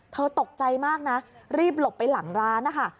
ตกใจมากนะรีบหลบไปหลังร้านนะคะ